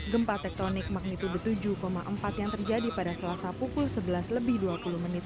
gempa tektonik magnitudo tujuh empat yang terjadi pada selasa pukul sebelas lebih dua puluh menit